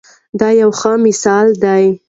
دی یو ښه مثال دی.